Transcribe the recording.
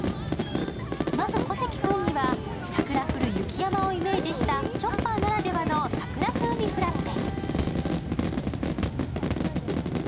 まず、小関君には桜降る雪山をイメージしたチョッパーならではのさくら風味フラッペ。